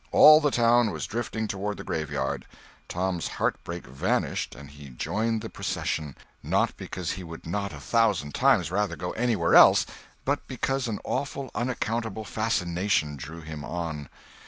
All the town was drifting toward the graveyard. Tom's heartbreak vanished and he joined the procession, not because he would not a thousand times rather go anywhere else, but because an awful, unaccountable fascination drew him on.